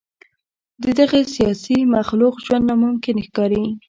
د دغه سیاسي مخلوق ژوند ناممکن ښکاري.